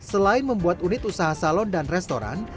selain membuat unit usaha salon dan restoran